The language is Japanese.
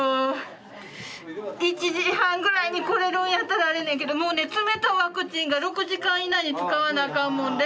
１時半ぐらいに来れるんやったらええねんけどもうね冷とうワクチンが６時間以内に使わなあかんもんで。